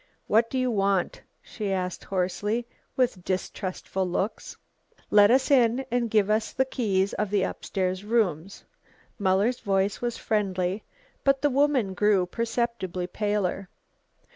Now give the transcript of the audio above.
"What do you want?" she asked hoarsely, with distrustful looks. "Let us in, and then give us the keys of the upstairs rooms." Muller's voice was friendly, but the woman grew perceptibly paler.